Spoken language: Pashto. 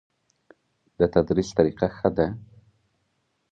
د تدریس طریقه ښه ده؟